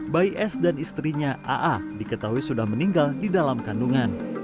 bayi s dan istrinya aa diketahui sudah meninggal di dalam kandungan